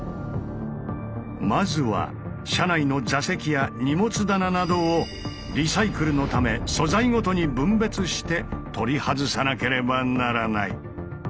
まずは車内の座席や荷物棚などをリサイクルのため素材ごとに分別して取り外さなければならない。